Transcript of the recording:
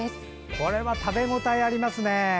これは食べ応えありますね。